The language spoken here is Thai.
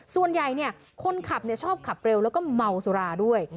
ส่วนใหญ่คนขับชอบขับเร็วแล้วก็เมาสุราด้วย